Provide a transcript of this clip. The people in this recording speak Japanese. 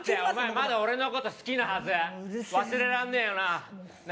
まだ俺のこと好きなはず忘れらんねえよなな